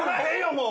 もう！